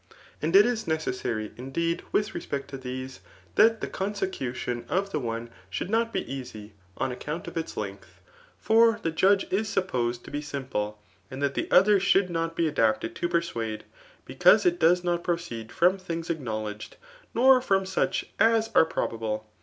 And it is necessary^ inihed^ with respect to tfa^ese, that the; consecutiolu of tik ctte>ahoi»kl not be easy, on account of its length; far th« judge is ai^pposed to be sitafde ; and that the odicar •hotUd.not . be i^apted. to .persuade, becauae it does iiot pi)>ceed fr^m;thipgs acknowledged, nt>r from such as are piiitbabie.